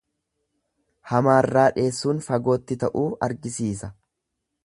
Hamaarraa dheessuun fagootti ta'uu argisiisa.